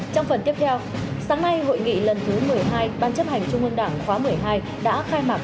trong phần tiếp theo sáng nay hội nghị lần thứ một mươi hai ban chấp hành trung ương đảng khóa một mươi hai đã khai mạc